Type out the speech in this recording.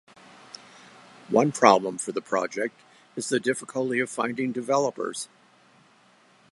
One problem for the project is the difficulty of finding developers.